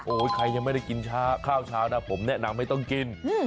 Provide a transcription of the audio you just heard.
ใครยังไม่ได้กินเช้าข้าวเช้านะผมแนะนำไม่ต้องกิน